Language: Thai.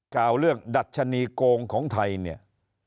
กล่าวเรื่องดัชนีโกงของไทยเนี่ย